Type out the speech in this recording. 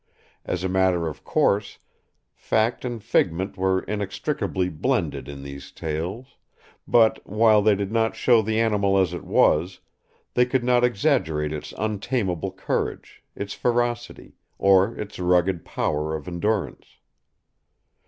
As a matter of course, fact and figment were inextricably blended in these tales; but, while they did not show the animal as it was, they could not exaggerate its untamable courage, its ferocity, or its rugged power of endurance.